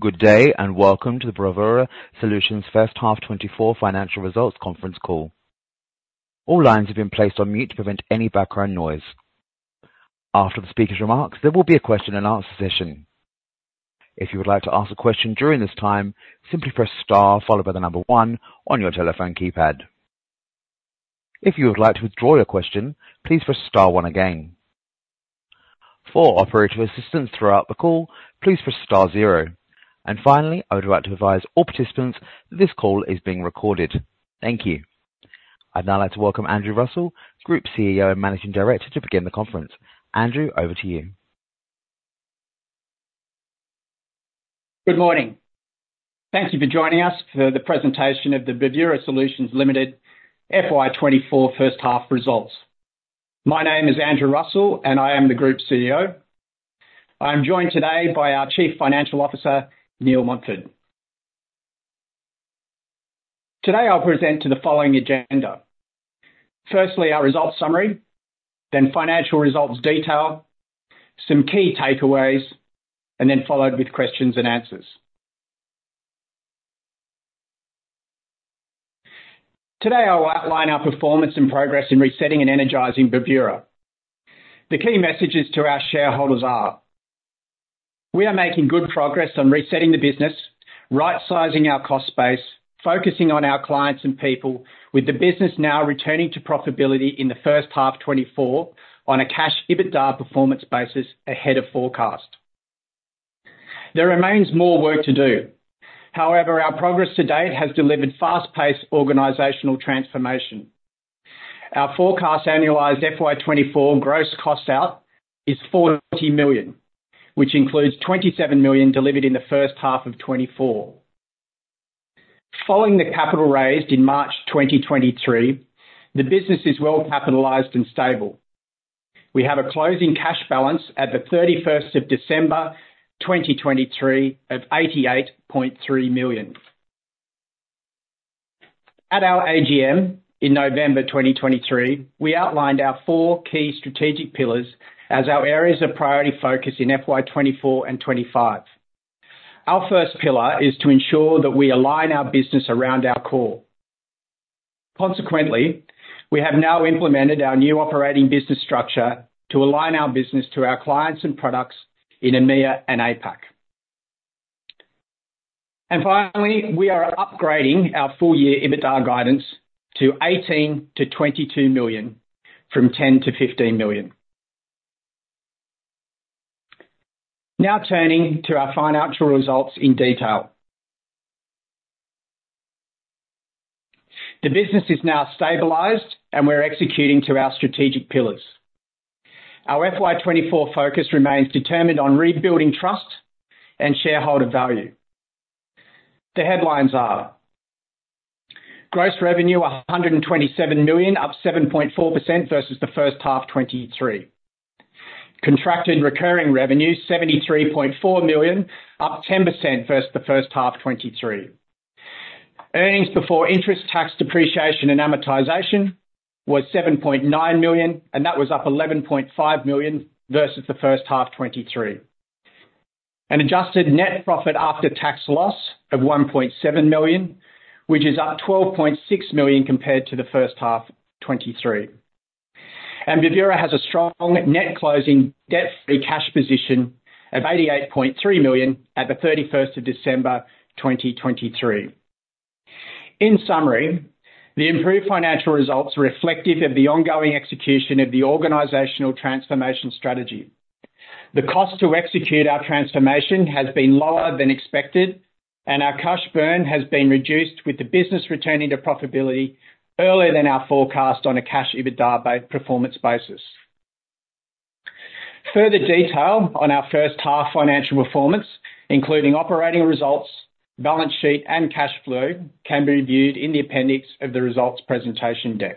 Good day and welcome to the Bravura Solutions First Half 24 Financial Results Conference call. All lines have been placed on mute to prevent any background noise. After the speaker's remarks, there will be a question-and-answer session. If you would like to ask a question during this time, simply press star followed by the number one on your telephone keypad. If you would like to withdraw your question, please press star one again. For operator assistance throughout the call, please press star zero. And finally, I would like to advise all participants that this call is being recorded. Thank you. I'd now like to welcome Andrew Russell, Group Chief Executive Officer and Managing Director, to begin the conference. Andrew, over to you. Good morning. Thank you for joining us for the presentation of the Bravura Solutions Limited FY 2024 first-half results. My name is Andrew Russell, and I am the Group Chief Executive Officer. I am joined today by our Chief Financial Officer, Neil Montford. Today I'll present to the following agenda: firstly, our results summary, then financial results detail, some key takeaways, and then followed with questions and answers. Today I will outline our performance and progress in resetting and energizing Bravura. The key messages to our shareholders are: we are making good progress on resetting the business, right-sizing our cost base, focusing on our clients and people, with the business now returning to profitability in the first half 2024 on a cash EBITDA performance basis ahead of forecast. There remains more work to do. However, our progress to date has delivered fast-paced organizational transformation. Our forecast annualized FY 2024 gross cost out is 40 million, which includes 27 million delivered in the first half of 2024. Following the capital raised in March 2023, the business is well capitalized and stable. We have a closing cash balance at the 31st of December 2023 of 88.3 million. At our AGM in November 2023, we outlined our four key strategic pillars as our areas of priority focus in FY 2024 and 2025. Our first pillar is to ensure that we align our business around our core. Consequently, we have now implemented our new operating business structure to align our business to our clients and products in EMEA and APAC. Finally, we are upgrading our full-year EBITDA guidance to 18 million-22 million from 10 million-15 million. Now turning to our financial results in detail. The business is now stabilized, and we're executing to our strategic pillars. Our FY 2024 focus remains determined on rebuilding trust and shareholder value. The headlines are: gross revenue 127 million, up 7.4% versus the first half 2023. Contracted recurring revenue 73.4 million, up 10% versus the first half 2023. Earnings before interest, tax, depreciation, and amortization was 7.9 million, and that was up 11.5 million versus the first half 2023. An adjusted net profit after tax loss of 1.7 million, which is up 12.6 million compared to the first half 2023. And Bravura has a strong net closing debt-free cash position of 88.3 million at the 31st of December 2023. In summary, the improved financial results are reflective of the ongoing execution of the organizational transformation strategy. The cost to execute our transformation has been lower than expected, and our cash burn has been reduced with the business returning to profitability earlier than our forecast on a cash EBITDA performance basis. Further detail on our first-half financial performance, including operating results, balance sheet, and cash flow, can be reviewed in the appendix of the results presentation deck.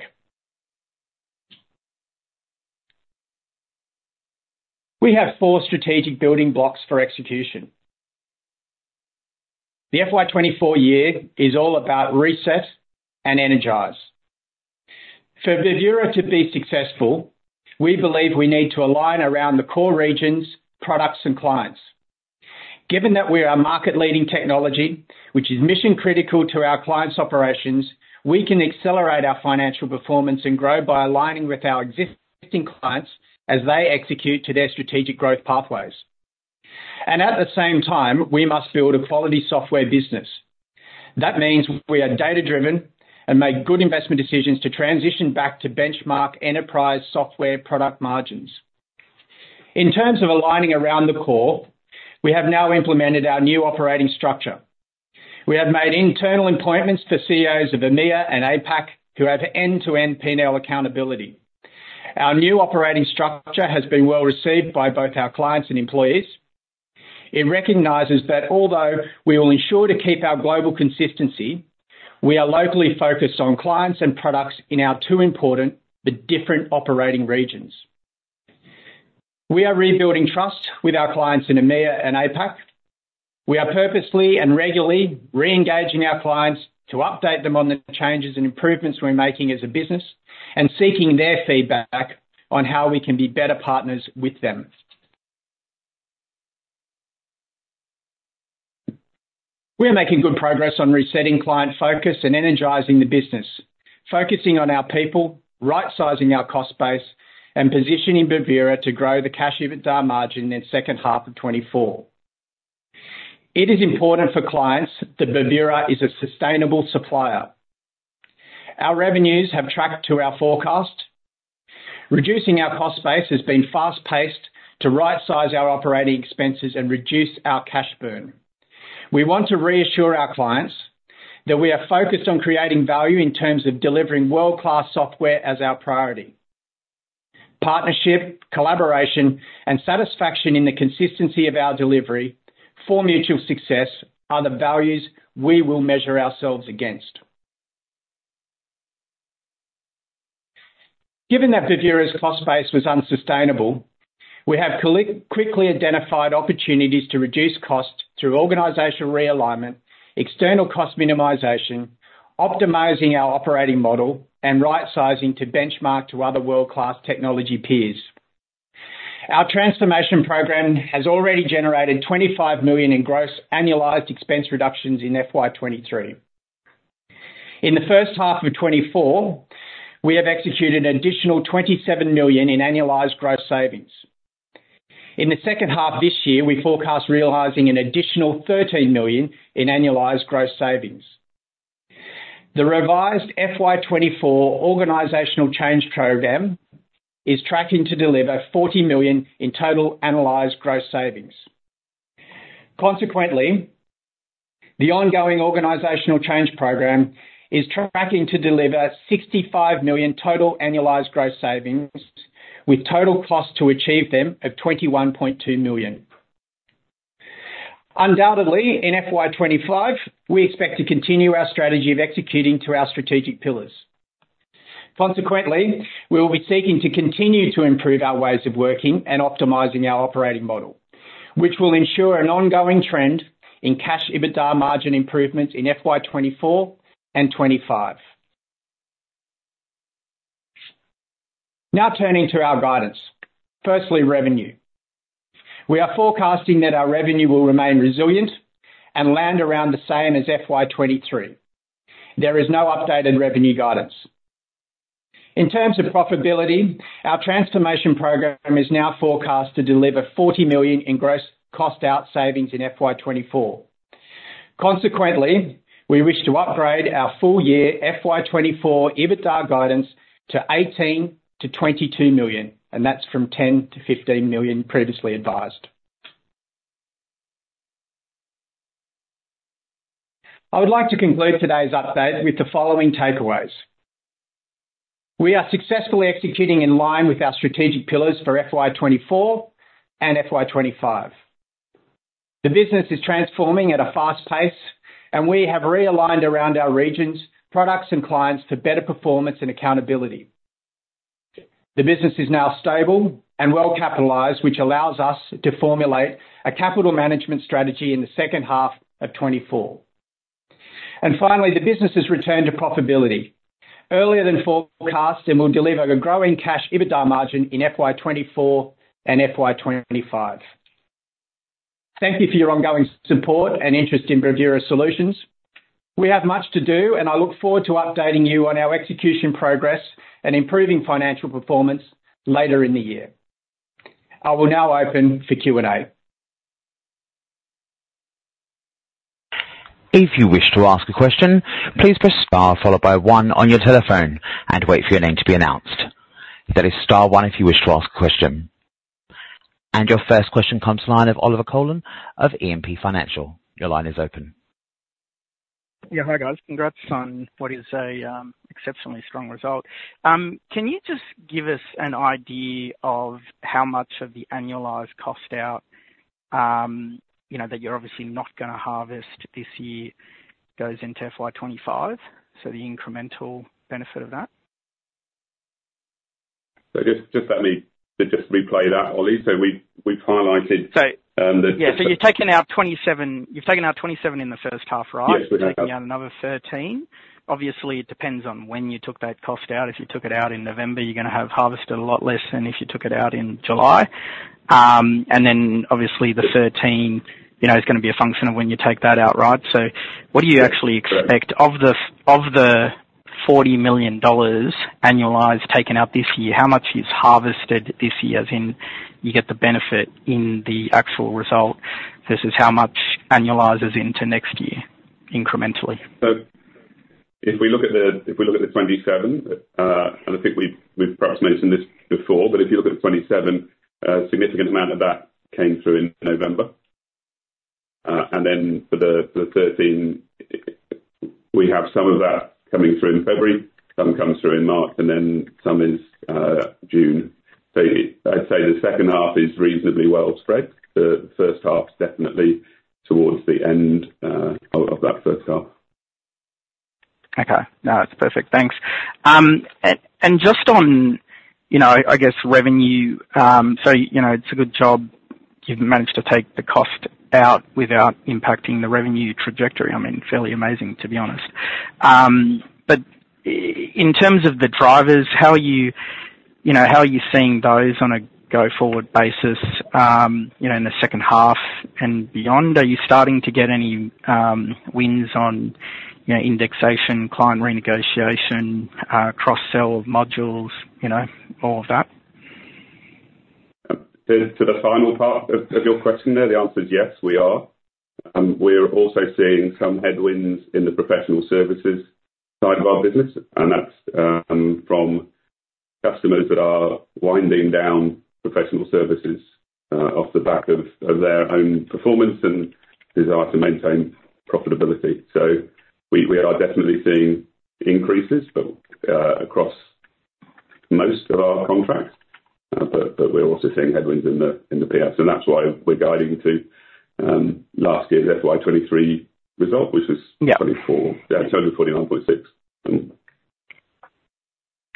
We have four strategic building blocks for execution. The FY 2024 year is all about reset and energize. For Bravura to be successful, we believe we need to align around the core regions, products, and clients. Given that we are a market-leading technology, which is mission-critical to our clients' operations, we can accelerate our financial performance and grow by aligning with our existing clients as they execute to their strategic growth pathways. At the same time, we must build a quality software business. That means we are data-driven and make good investment decisions to transition back to benchmark enterprise software product margins. In terms of aligning around the core, we have now implemented our new operating structure. We have made internal appointments for CEOs of EMEA and APAC who have end-to-end P&L accountability. Our new operating structure has been well received by both our clients and employees. It recognizes that although we will ensure to keep our global consistency, we are locally focused on clients and products in our two important, but different operating regions. We are rebuilding trust with our clients in EMEA and APAC. We are purposely and regularly re-engaging our clients to update them on the changes and improvements we're making as a business and seeking their feedback on how we can be better partners with them. We are making good progress on resetting client focus and energizing the business, focusing on our people, right-sizing our cost base, and positioning Bravura to grow the cash EBITDA margin in the second half of 2024. It is important for clients that Bravura is a sustainable supplier. Our revenues have tracked to our forecast. Reducing our cost base has been fast-paced to right-size our operating expenses and reduce our cash burn. We want to reassure our clients that we are focused on creating value in terms of delivering world-class software as our priority. Partnership, collaboration, and satisfaction in the consistency of our delivery for mutual success are the values we will measure ourselves against. Given that Bravura's cost base was unsustainable, we have quickly identified opportunities to reduce costs through organizational realignment, external cost minimization, optimizing our operating model, and right-sizing to benchmark to other world-class technology peers. Our transformation program has already generated 25 million in gross annualized expense reductions in FY 2023. In the first half of 2024, we have executed an additional 27 million in annualized gross savings. In the second half this year, we forecast realising an additional 13 million in annualized gross savings. The revised FY 2024 organizational change program is tracking to deliver 40 million in total annualized gross savings. Consequently, the ongoing organizational change program is tracking to deliver 65 million total annualized gross savings, with total cost to achieve them of 21.2 million. Undoubtedly, in FY 2025, we expect to continue our strategy of executing to our strategic pillars. Consequently, we will be seeking to continue to improve our ways of working and optimizing our operating model, which will ensure an ongoing trend in cash EBITDA margin improvements in FY 2024 and 2025. Now turning to our guidance. Firstly, revenue. We are forecasting that our revenue will remain resilient and land around the same as FY 2023. There is no updated revenue guidance. In terms of profitability, our transformation program is now forecast to deliver 40 million in gross cost out savings in FY 2024. Consequently, we wish to upgrade our full-year FY 2024 EBITDA guidance to 18 million-22 million, and that's from 10 million-15 million previously advised. I would like to conclude today's update with the following takeaways. We are successfully executing in line with our strategic pillars for FY 2024 and FY 2025. The business is transforming at a fast pace, and we have realigned around our regions, products, and clients for better performance and accountability. The business is now stable and well capitalised, which allows us to formulate a capital management strategy in the second half of 2024. Finally, the business has returned to profitability earlier than forecast and will deliver a growing cash EBITDA margin in FY 2024 and FY 2025. Thank you for your ongoing support and interest in Bravura Solutions. We have much to do, and I look forward to updating you on our execution progress and improving financial performance later in the year. I will now open for Q&A. If you wish to ask a question, please press star followed by one on your telephone and wait for your name to be announced. That is star one if you wish to ask a question. Your first question comes to line of Oliver Collin of E&P Financial. Your line is open. Yeah, hi guys. Congrats on what is an exceptionally strong result. Can you just give us an idea of how much of the annualized cost out that you're obviously not going to harvest this year goes into FY 2025, so the incremental benefit of that? So just let me replay that, Ollie. So we've highlighted the. So yeah, so you've taken out 27. You've taken out 27 in the first half, right? Yes, we have. You're taking out another 13. Obviously, it depends on when you took that cost out. If you took it out in November, you're going to have harvested a lot less than if you took it out in July. And then obviously, the 13 is going to be a function of when you take that out, right? So what do you actually expect of the $40 million annualized taken out this year? How much is harvested this year as in you get the benefit in the actual result versus how much annualizes into next year incrementally? So if we look at the 27, and I think we've perhaps mentioned this before, but if you look at the 27, a significant amount of that came through in November. And then for the 13, we have some of that coming through in February, some comes through in March, and then some is June. So I'd say the second half is reasonably well spread. The first half's definitely towards the end of that first half. Okay. No, that's perfect. Thanks. And just on, I guess, revenue, so it's a good job you've managed to take the cost out without impacting the revenue trajectory. I mean, fairly amazing, to be honest. But in terms of the drivers, how are you seeing those on a go-forward basis in the second half and beyond? Are you starting to get any wins on indexation, client renegotiation, cross-sell of modules, all of that? To the final part of your question there, the answer is yes, we are. We're also seeing some headwinds in the professional services side of our business, and that's from customers that are winding down professional services off the back of their own performance and desire to maintain profitability. So we are definitely seeing increases across most of our contracts, but we're also seeing headwinds in the PS. And that's why we're guiding to last year's FY 2023 result, which was 24. Yeah, it's only 49.6.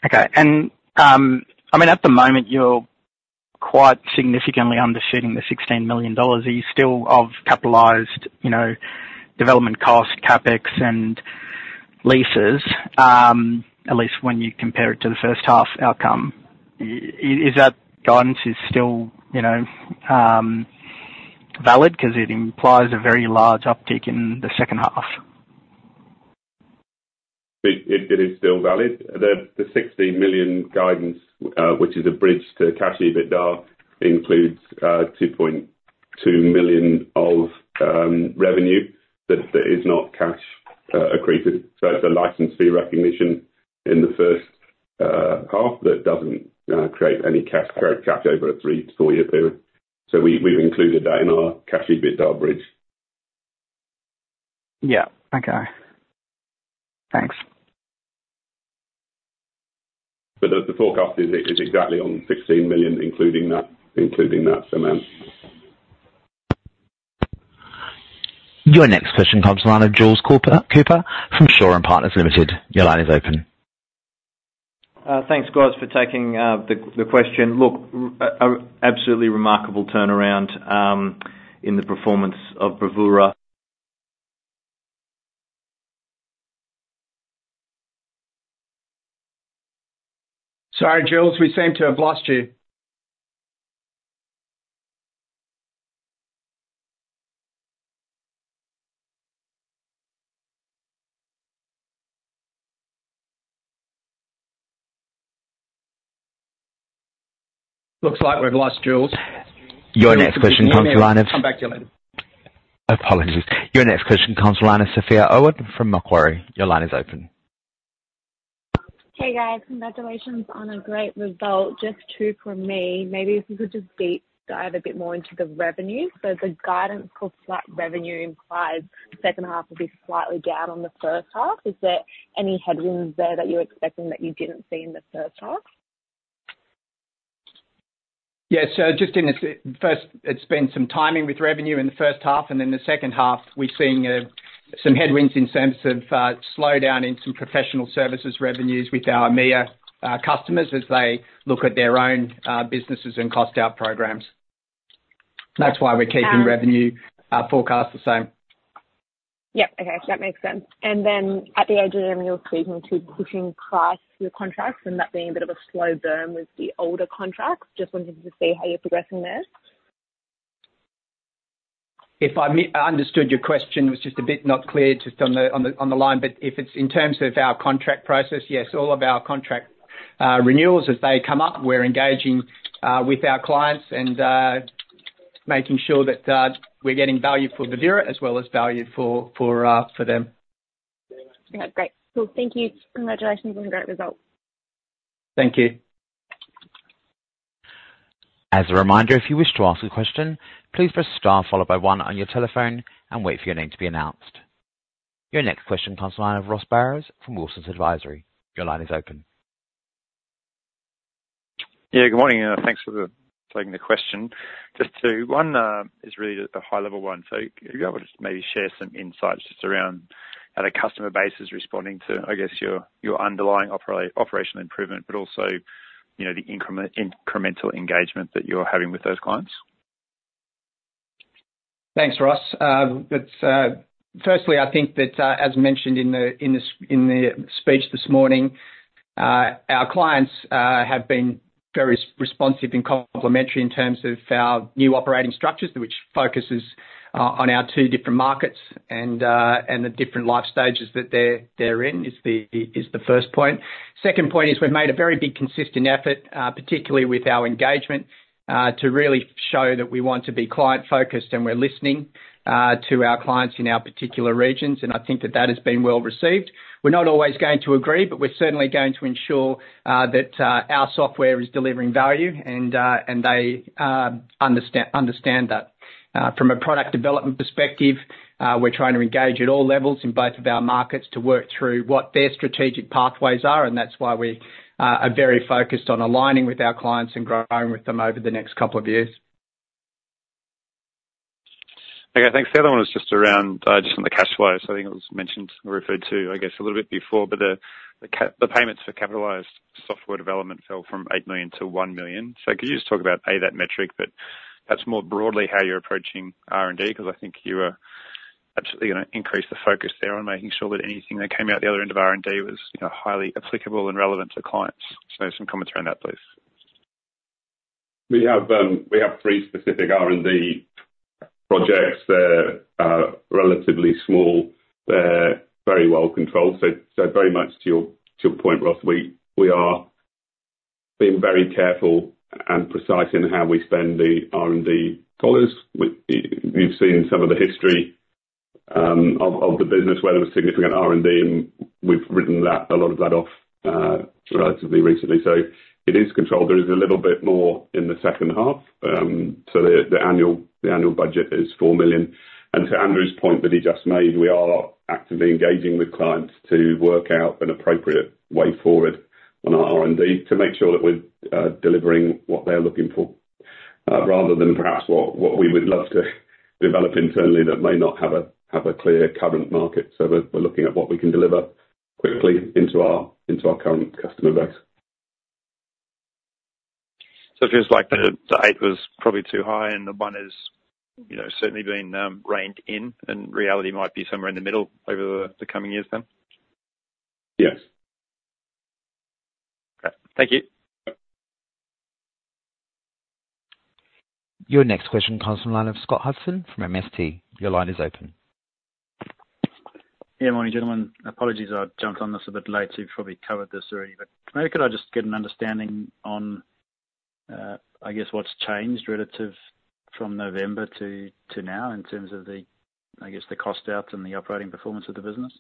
Okay. And I mean, at the moment, you're quite significantly undershooting the $16 million. Are you still of capitalized development cost, CapEx, and leases, at least when you compare it to the first half outcome? Is that guidance still valid because it implies a very large uptick in the second half? It is still valid. The 16 million guidance, which is a bridge to cash EBITDA, includes 2.2 million of revenue that is not cash accreted. So it's a license fee recognition in the first half that doesn't create any cash over a three to four-year period. So we've included that in our cash EBITDA bridge. Yeah. Okay. Thanks. The forecast is exactly on 16 million, including that amount. Your next question comes to line of Jules Cooper from Shaw and Partners Limited. Your line is open. Thanks, guys, for taking the question. Look, absolutely remarkable turnaround in the performance of Bravura. Sorry, Jules. We seem to have lost you. Looks like we've lost Jules. Your next question comes to line of. Come back to you later. Apologies. Your next question comes to line of from Macquarie. Your line is open. Hey, guys. Congratulations on a great result. Just two for me. Maybe if we could just deep dive a bit more into the revenue. So the guidance for flat revenue implies second half will be slightly down on the first half. Is there any headwinds there that you're expecting that you didn't see in the first half? Yeah. So just in the first, it's been some timing with revenue in the first half, and then the second half, we're seeing some headwinds in terms of slowdown in some professional services revenues with our EMEA customers as they look at their own businesses and cost out programs. That's why we're keeping revenue forecasts the same. Yep. Okay. That makes sense. And then at the AGM, you're speaking to pushing price with contracts and that being a bit of a slow burn with the older contracts. Just wanted to see how you're progressing there. If I understood your question, it was just a bit not clear just on the line. But if it's in terms of our contract process, yes, all of our contract renewals, as they come up, we're engaging with our clients and making sure that we're getting value for Bravura as well as value for them. Okay. Great. Cool. Thank you. Congratulations on the great result. Thank you. As a reminder, if you wish to ask a question, please press star followed by one on your telephone and wait for your name to be announced. Your next question comes to line of Ross Barrows from Wilsons Advisory. Your line is open. Yeah. Good morning. Thanks for taking the question. One is really a high-level one. So if you're able to just maybe share some insights just around how the customer base is responding to, I guess, your underlying operational improvement but also the incremental engagement that you're having with those clients. Thanks, Ross. Firstly, I think that, as mentioned in the speech this morning, our clients have been very responsive and complimentary in terms of our new operating structures, which focuses on our two different markets and the different life stages that they're in, is the first point. Second point is we've made a very big consistent effort, particularly with our engagement, to really show that we want to be client-focused and we're listening to our clients in our particular regions. I think that that has been well received. We're not always going to agree, but we're certainly going to ensure that our software is delivering value and they understand that. From a product development perspective, we're trying to engage at all levels in both of our markets to work through what their strategic pathways are. That's why we are very focused on aligning with our clients and growing with them over the next couple of years. Okay. Thanks. The other one is just around just on the cash flow. So I think it was mentioned or referred to, I guess, a little bit before, but the payments for capitalized software development fell from 8 million to 1 million. So could you just talk about, A, that metric, but perhaps more broadly how you're approaching R&D? Because I think you were absolutely going to increase the focus there on making sure that anything that came out the other end of R&D was highly applicable and relevant to clients. So some comments around that, please. We have three specific R&D projects. They're relatively small. They're very well controlled. So very much to your point, Ross, we are being very careful and precise in how we spend the R&D dollars. You've seen some of the history of the business where there was significant R&D, and we've written a lot of that off relatively recently. So it is controlled. There is a little bit more in the second half. So the annual budget is 4 million. And to Andrew's point that he just made, we are actively engaging with clients to work out an appropriate way forward on our R&D to make sure that we're delivering what they're looking for rather than perhaps what we would love to develop internally that may not have a clear current market. So we're looking at what we can deliver quickly into our current customer base. It feels like the 8 was probably too high, and the 1 has certainly been reined in, and reality might be somewhere in the middle over the coming years then? Yes. Okay. Thank you. Your next question comes from line of Scott Hudson from MST. Your line is open. Yeah. Morning, gentlemen. Apologies. I jumped on this a bit late. You've probably covered this already, but maybe could I just get an understanding on, I guess, what's changed relative from November to now in terms of, I guess, the cost outs and the operating performance of the business?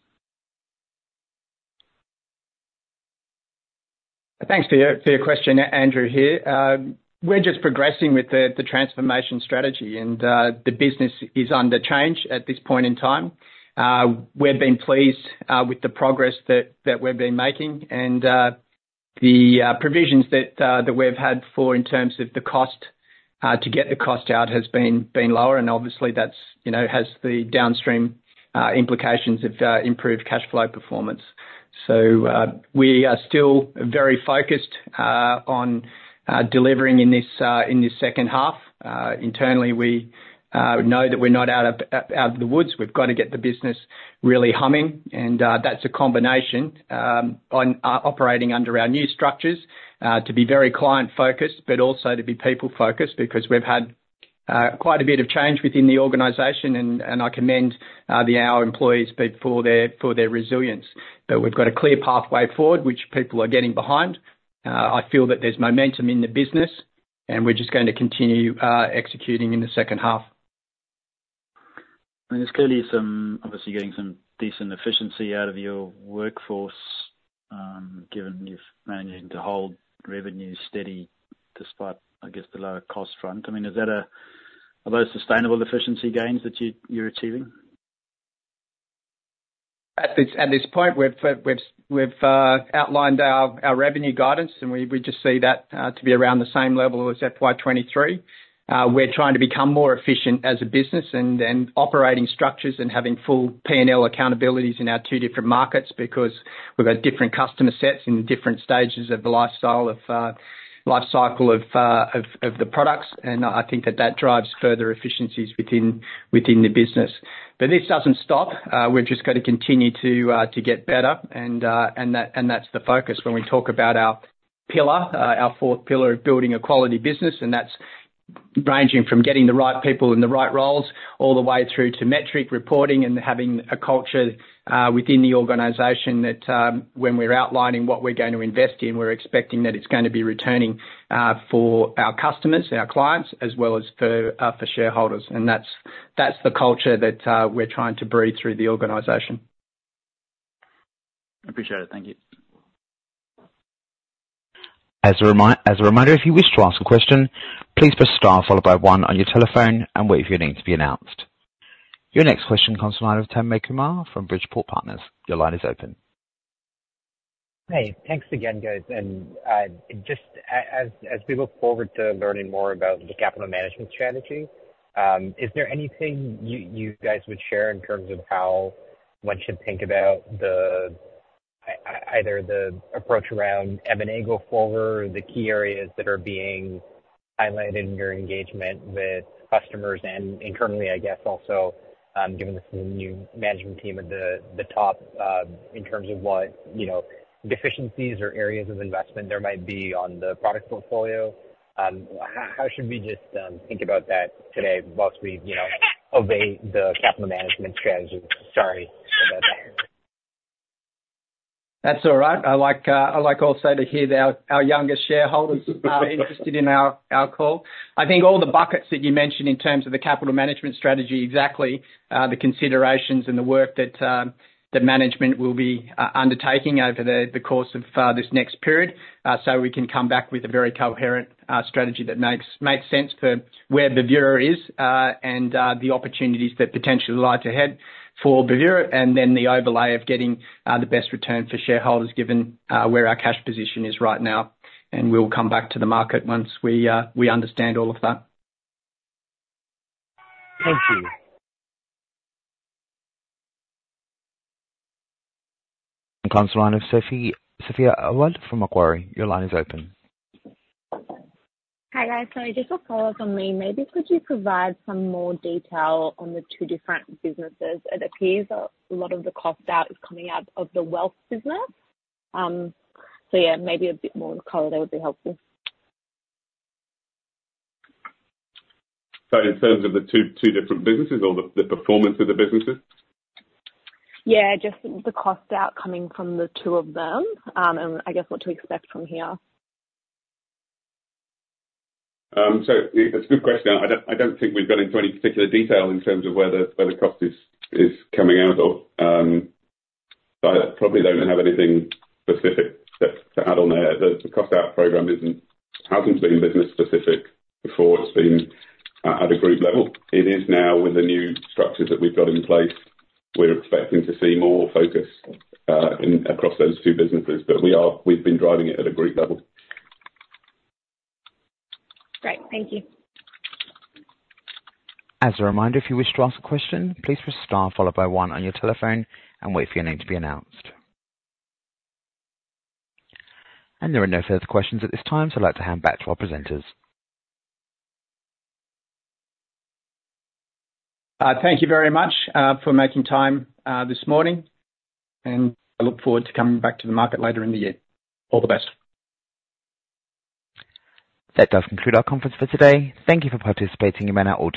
Thanks for your question, Andrew here. We're just progressing with the transformation strategy, and the business is under change at this point in time. We've been pleased with the progress that we've been making and the provisions that we've had for, in terms of the cost to get the cost out, has been lower. And obviously, that has the downstream implications of improved cash flow performance. So we are still very focused on delivering in this second half. Internally, we know that we're not out of the woods. We've got to get the business really humming. And that's a combination on operating under our new structures to be very client-focused but also to be people-focused because we've had quite a bit of change within the organization, and I commend our employees for their resilience. But we've got a clear pathway forward, which people are getting behind. I feel that there's momentum in the business, and we're just going to continue executing in the second half. I mean, there's clearly obviously getting some decent efficiency out of your workforce given you've managed to hold revenue steady despite, I guess, the lower cost front. I mean, are those sustainable efficiency gains that you're achieving? At this point, we've outlined our revenue guidance, and we just see that to be around the same level as FY 2023. We're trying to become more efficient as a business and operating structures and having full P&L accountabilities in our two different markets because we've got different customer sets in different stages of the lifecycle of the products. And I think that that drives further efficiencies within the business. But this doesn't stop. We've just got to continue to get better, and that's the focus when we talk about our fourth pillar of building a quality business. That's ranging from getting the right people in the right roles all the way through to metric reporting and having a culture within the organization that when we're outlining what we're going to invest in, we're expecting that it's going to be returning for our customers, our clients, as well as for shareholders. That's the culture that we're trying to breed through the organization. Appreciate it. Thank you. As a reminder, if you wish to ask a question, please press star followed by one on your telephone and wait for your name to be announced. Your next question comes to line of Tammy Kumar from Bridgeport Partners. Your line is open. Hey. Thanks again, guys. Just as we look forward to learning more about the capital management strategy, is there anything you guys would share in terms of how one should think about either the approach around M&A go forward, the key areas that are being highlighted in your engagement with customers, and internally, I guess, also given this is a new management team at the top in terms of what deficiencies or areas of investment there might be on the product portfolio? How should we just think about that today whilst we obey the capital management strategy? Sorry about that. That's all right. I like also to hear that our younger shareholders are interested in our call. I think all the buckets that you mentioned in terms of the capital management strategy, exactly the considerations and the work that management will be undertaking over the course of this next period so we can come back with a very coherent strategy that makes sense for where Bravura is and the opportunities that potentially lie to head for Bravura and then the overlay of getting the best return for shareholders given where our cash position is right now. We'll come back to the market once we understand all of that. Thank you. Comes to line of Sophia Owen from Macquarie. Your line is open. Hi, guys. Sorry, just a follow-up from me. Maybe could you provide some more detail on the two different businesses? It appears a lot of the cost out is coming out of the wealth business. So yeah, maybe a bit more color there would be helpful. Sorry, in terms of the two different businesses or the performance of the businesses? Yeah. Just the cost out coming from the two of them and I guess what to expect from here. It's a good question. I don't think we've got into any particular detail in terms of where the cost is coming out of. I probably don't have anything specific to add on there. The cost out program hasn't been business-specific before. It's been at a group level. It is now with the new structures that we've got in place. We're expecting to see more focus across those two businesses, but we've been driving it at a group level. Great. Thank you. As a reminder, if you wish to ask a question, please press star followed by one on your telephone and wait for your name to be announced. There are no further questions at this time, so I'd like to hand back to our presenters. Thank you very much for making time this morning, and I look forward to coming back to the market later in the year. All the best. That does conclude our conference for today. Thank you for participating in our